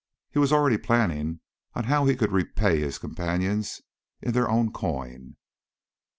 He was already planning how he could repay his companions in their own coin.